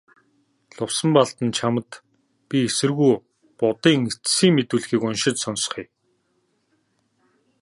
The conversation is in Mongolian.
Лувсанбалдан чамд би эсэргүү Будын эцсийн мэдүүлгийг уншиж сонсгоё.